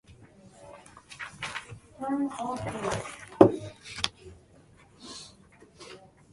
男が林の入り口に消えていったあと、車が走り去る音が聞こえた